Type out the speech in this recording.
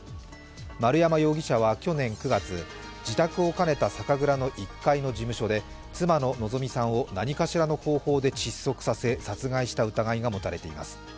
丸山容疑者は去年９月、自宅を兼ねた酒蔵の１階事務所で妻の希美さんを何かしらの方法で窒息させ、殺害した疑いが持たれています。